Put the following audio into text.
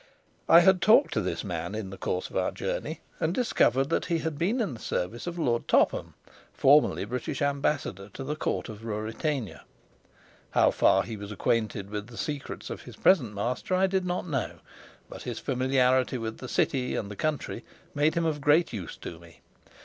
I had talked to this man in the course of our journey, and discovered that he had been in the service of Lord Topham, formerly British Ambassador to the Court of Ruritania. How far he was acquainted with the secrets of his present master, I did not know, but his familiarity with the city and the country made him of great use to me.